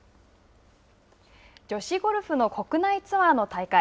女子ゴルフの国内ツアーの大会。